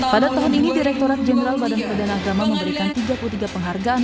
pada tahun ini direkturat jenderal badan perdana agama memberikan tiga puluh tiga penghargaan